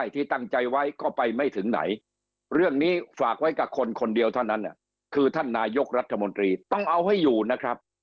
ต้องเอาให้อยู่นะครับ